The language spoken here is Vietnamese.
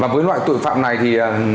với loại tội phạm này thì